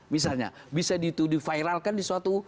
misalnya bisa diviralkan di suatu